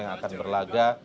yang akan berlagak